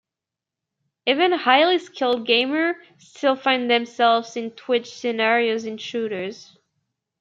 Even highly skilled gamers still find themselves in twitch scenarios in shooters.